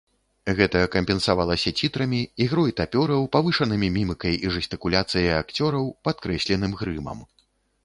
Гэта кампенсавалася цітрамі, ігрой тапёраў, павышанымі мімікай і жэстыкуляцыяй акцёраў, падкрэсленым грымам.